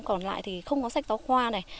còn lại thì không có sách giáo khoa này